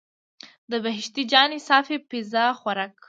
د بهشته جانې صافی پیزا خوراک.